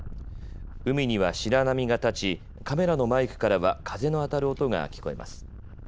海には白波が立ちカメラのマイクからは風の当たる音が聞こえます。